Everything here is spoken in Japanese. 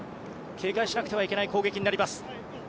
警戒しなくてはいけない攻撃になります。